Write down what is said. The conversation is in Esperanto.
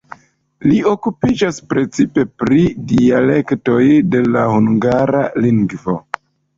Li okupiĝas precipe pri dialektoj de la hungara lingvo.